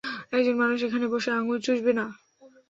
একজন মানুষ এখানে বসে আঙ্গুল চুষবে না।